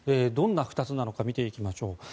どんな２つなのか見ていきましょう。